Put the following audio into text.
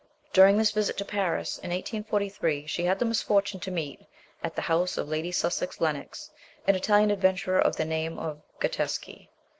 During tliis visit to Paris in 1843 she had the misfortune to meet, at the house of Lady Sussex Lennox, an Italian adventurer of the name of Gat teschi.